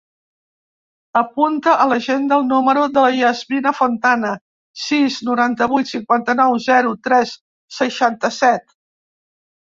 Apunta a l'agenda el número de la Yasmina Fontana: sis, noranta-vuit, cinquanta-nou, zero, tres, seixanta-set.